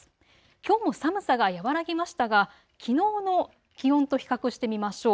きょうも寒さが和らぎましたがきのうの気温と比較してみましょう。